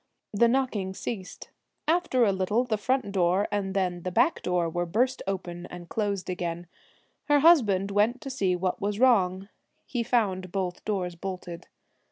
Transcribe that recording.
The knocking ceased. After a little the front door and then the back door were burst open, and closed again. Her husband went to see what was wrong. He found both doors bolted.